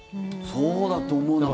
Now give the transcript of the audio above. そうだと思うな。